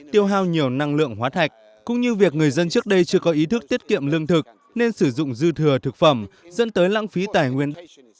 tiêu hao nhiều năng lượng hóa thạch cũng như việc người dân trước đây chưa có ý thức tiết kiệm lương thực nên sử dụng dư thừa thực phẩm dẫn tới lãng phí tài nguyên